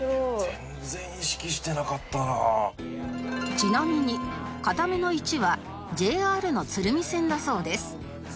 ちなみにかための１は ＪＲ の鶴見線だそうです